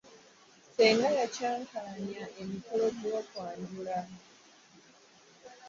Ssenga ya ccankalanya emikolo gyokwanjula.